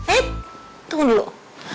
eh tunggu dulu